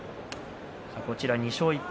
２勝１敗